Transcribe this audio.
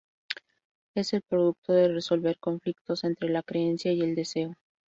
Es el producto de resolver conflictos entre la creencia y el deseo.